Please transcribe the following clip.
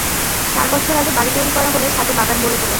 চার বছর আগে বাড়ি তৈরি করা হলে ছাদে বাগান গড়ে তোলেন।